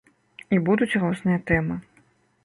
І будуць розныя тэмы.